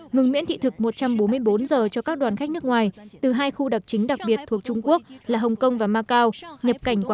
ngừng miễn thị thực một trăm bốn mươi bốn giờ cho các đoàn khách nước ngoài từ hai khu đặc chính đặc biệt thuộc trung quốc là hồng kông và macau